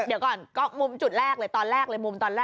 เดี๋ยวก่อนก็มุมจุดแรกเลยตอนแรกเลยมุมตอนแรก